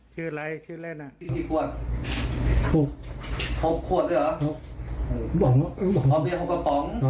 ชื่ออะไรชื่ออะไรน่ะที่ที่ขวดขวดขวดด้วยเหรอหกกระป๋อง